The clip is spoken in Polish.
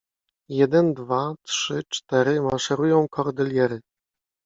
Jeden, dwa, trzy, cztery maszerują Kordyliery